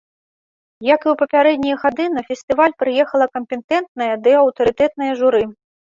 Як і ў папярэднія гады, на фестываль прыехала кампетэнтнае ды аўтарытэтнае журы.